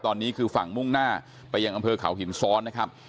ตอนนี้คือฝั่งมุ่งหน้าไปยังอำเภอเขาหินซ้อนนะครับ